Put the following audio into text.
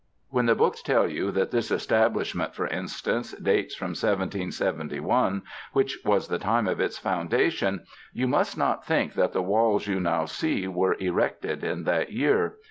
When the books tell you that this establish ment, for instance, dates from 1771, which was the time of its foundation, you must not tliink that the walls you now see were erected in that year.